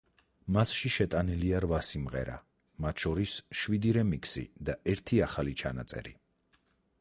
მასში შეტანილია რვა სიმღერა, მათ შორის შვიდი რემიქსი და ერთი ახალი ჩანაწერი.